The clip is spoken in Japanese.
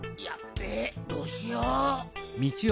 べえどうしよう。